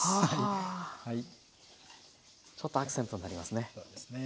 ちょっとアクセントになりますね。